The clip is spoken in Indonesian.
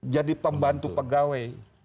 jadi pembantu pegawai